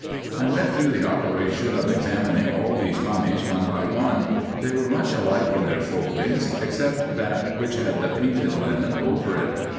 I went through the operation of examining all these mummies one by one. They were much alike in their foldings, except that which had the painted linen over it.